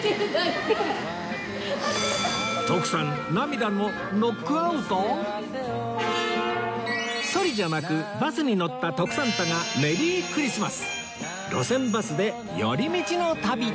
徳さんソリじゃなくバスに乗った徳サンタがメリークリスマス！